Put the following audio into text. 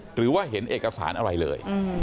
หรือว่าเห็นเอกสารอะไรเลย